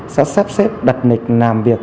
sẽ sắp xếp đặt nịch làm việc